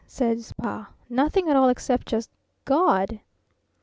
_' says Pa. Nothing at all except just, '_G a w d!